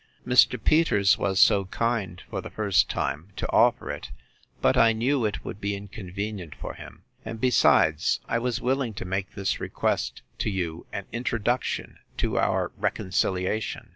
Mr. Peters was so kind, for the first time, to offer it; but I knew it would be inconvenient for him; and, besides, I was willing to make this request to you an introduction to our reconciliation.